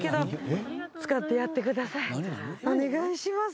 お願いします。